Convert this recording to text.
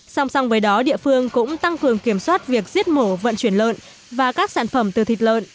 song song với đó địa phương cũng tăng cường kiểm soát việc giết mổ vận chuyển lợn và các sản phẩm từ thịt lợn